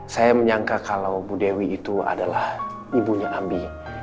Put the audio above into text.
saya menyangka kalau bu dewi itu adalah ibunya ambi